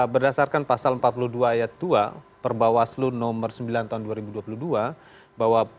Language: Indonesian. berdasarkan pasal empat puluh dua ayat dua per bawah selu nomor sembilan tahun dua ribu dua puluh dua